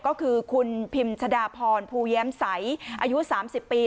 ก็คือคุณพิมชะดาพรภูแย้มใสอายุ๓๐ปี